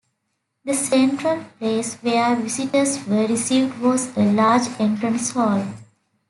The central place where visitors were received was a large entrance hall.